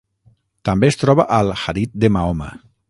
També es troba al hadit de Mahoma.